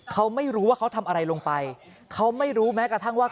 เขาไม่รู้ว่าเขาทำอะไรลงไปเขาไม่รู้แม้กระทั่งว่า